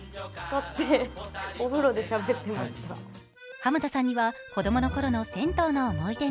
濱田さんには子供のころの銭湯の思い出が。